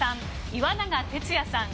岩永徹也さん